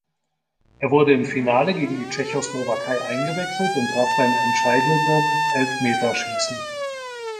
Er wurde im Finale gegen die Tschechoslowakei eingewechselt und traf beim entscheidenden Elfmeterschießen.